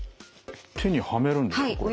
手にはめるんですかこれ。